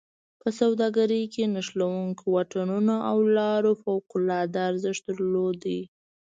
په سوداګرۍ کې نښلوونکو واټونو او لارو فوق العاده ارزښت درلوده.